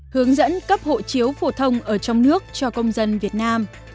hướng dẫn cấp hộ chiếu phổ thông ở trong nước cho công dân việt nam